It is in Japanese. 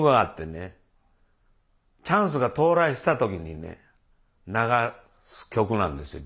チャンスが到来した時にね流す曲なんですよ